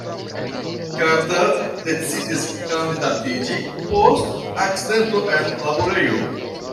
Carter decidis kandidatiĝi post akcidento en laborejo.